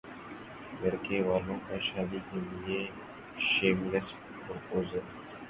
لڑکے والوں کا شادی کے لیےشیم لیس پرپوزل